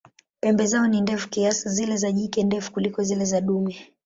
Pembe zao ni ndefu kiasi, zile za jike ndefu kuliko zile za dume.